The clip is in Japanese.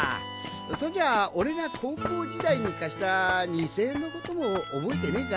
そんじゃ俺が高校時代に貸した２０００円の事も覚えてねえか。